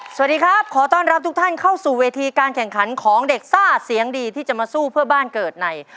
สวัสดีครับขอต้อนรับทุกท่านเข้าสู่เวทีการแข่งขันของเด็กซ่าเสียงดีที่จะมาสู้เพื่อบ้านเกิดใน